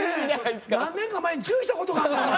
何年か前に注意したことがあんの。